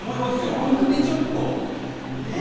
あんなにちょっと？